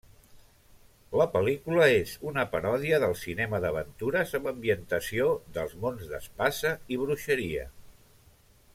La pel·lícula és una paròdia del cinema d'aventures amb ambientació dels mons d'espasa i bruixeria.